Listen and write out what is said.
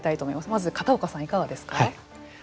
まず片岡さん、いかがですか。